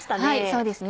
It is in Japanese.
そうですね。